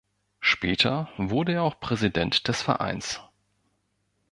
Später wurde er auch Präsident des Vereins.